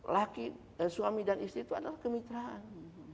laki suami dan istri itu adalah kemitraan